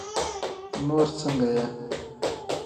نور څنګه يې؟